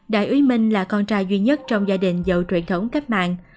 đại úy minh là con trai duy nhất trong gia đình dầu truyền thống cấp mạng